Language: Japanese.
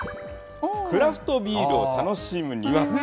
クラフトビールを楽しむには。